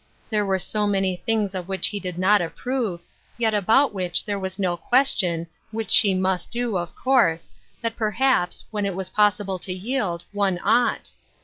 There were so many things of which he did not approve, yet about which there was no question, which she must do, of course, that perhaps, when it was possible to yield, one ought.